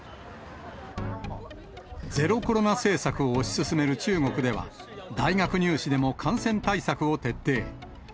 ゼロコロナ政策を推し進める中国では、大学入試でも感染対策を徹底。